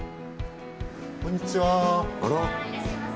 こんにちは。